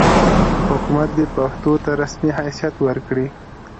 حکومت دې پښتو ته رسمي حیثیت ورکړي.